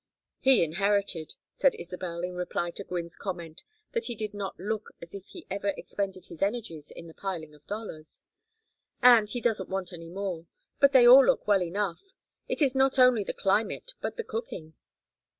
"He inherited," said Isabel, in reply to Gwynne's comment that he did not look as if he ever expended his energies in the piling of dollars. "And he doesn't want any more. But they all look well enough. It is not only the climate but the cooking."